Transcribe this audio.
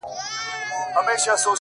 • نه څپلۍ نه به جامې د چا غلاکیږي ,